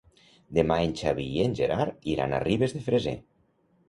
Demà en Xavi i en Gerard iran a Ribes de Freser.